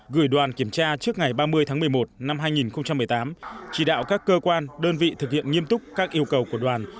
gửi đoàn kiểm tra trước ngày ba mươi tháng một mươi một năm hai nghìn một mươi tám chỉ đạo các cơ quan đơn vị thực hiện nghiêm túc các yêu cầu của đoàn